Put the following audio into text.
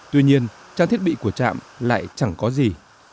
tuy nhiên trang thiết bị của trạm lại chẳng có gì